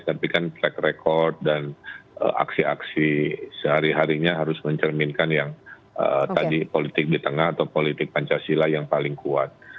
tapi kan track record dan aksi aksi sehari harinya harus mencerminkan yang tadi politik di tengah atau politik pancasila yang paling kuat